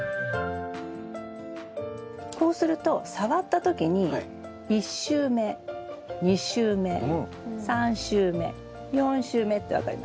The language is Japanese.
こうすると触った時に１週目２週目３週目４週目って分かります。